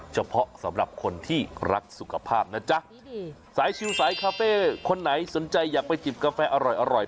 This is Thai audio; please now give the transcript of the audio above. สำหรับคนที่รักสุขภาพนะจ๊ะสายชิลสายคาเฟ่คนไหนสนใจอยากไปจิบกาแฟอร่อย